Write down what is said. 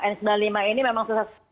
n sembilan puluh lima ini memang susah